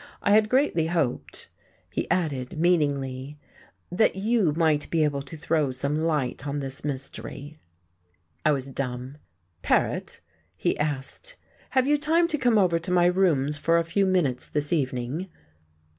I had greatly hoped," he added meaningly, "that you might be able to throw some light on this mystery." I was dumb. "Paret," he asked, "have you time to come over to my rooms for a few minutes this evening?"